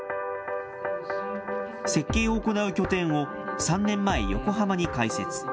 設計を行う拠点を３年前、横浜に開設。